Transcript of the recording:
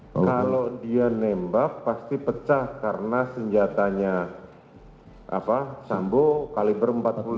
kalau dia nembak pasti pecah karena senjatanya sambo kaliber empat puluh lima